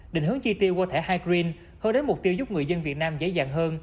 định hướng chi tiêu qua thẻ hai green hướng đến mục tiêu giúp người dân việt nam dễ dàng hơn